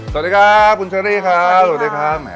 สวัสดีครับคุณเชอรี่ครับสวัสดีครับ